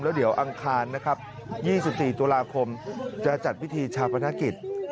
แล้วเดี๋ยวอังคาร๒๔ตุลาคมจะจัดพิธีชาวพนักกิจ